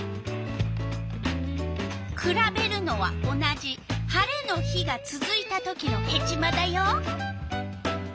くらべるのは同じ晴れの日がつづいたときのヘチマだよ。